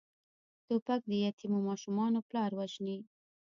توپک د یتیمو ماشومانو پلار وژني.